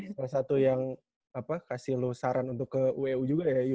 salah satu yang kasih lo saran untuk ke u juga ya